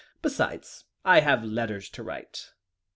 Besides, I have letters to write."